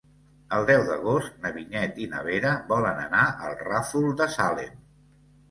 El deu d'agost na Vinyet i na Vera volen anar al Ràfol de Salem.